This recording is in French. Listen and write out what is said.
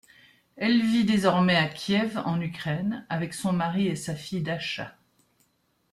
Elle vit désormais à Kiev en Ukraine, avec son mari et sa fille Dasha.